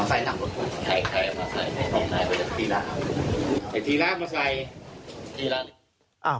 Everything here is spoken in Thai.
ไอ้ธีรารักมาใส่